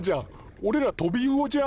おれらトビウオじゃん！